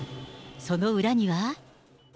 その裏には。